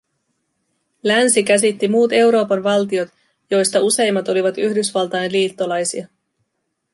Länsi käsitti muut Euroopan valtiot, joista useimmat olivat Yhdysvaltain liittolaisia